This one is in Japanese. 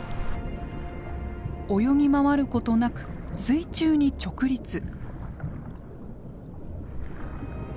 泳ぎ回ることなく水中に直立。